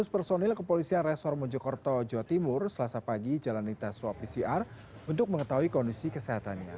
lima ratus personil kepolisian resor mojokerto jawa timur selasa pagi jalani tes swab pcr untuk mengetahui kondisi kesehatannya